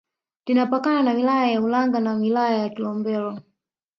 Linapakana na wilaya ya Ulanga na wilaya ya Kilombero